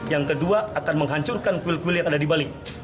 yang kedua akan menghancurkan kuil kuil yang ada di bali